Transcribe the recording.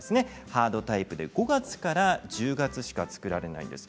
ハードタイプで５月から１０月しか造られないんです。